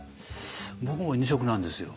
僕も２食なんですよ。